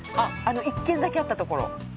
１軒だけあったところ。